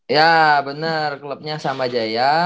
ya bener klubnya sama jaya